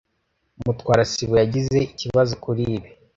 Mutwara sibo yagize ikibazo kuri ibi.